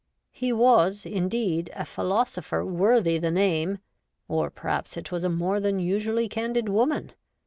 He was, indeed, a philosopher worthy the name (or perhaps it was a more than usually candid woman!)